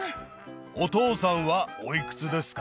お父さんはおいくつですか？